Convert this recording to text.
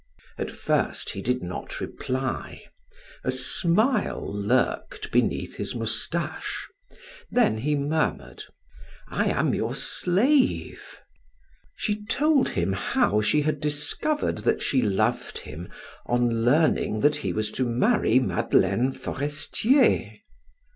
At first he did not reply; a smile lurked beneath his mustache; then he murmured: "I am your slave." She told him how she had discovered that she loved him, on learning that he was to marry Madeleine Forestier.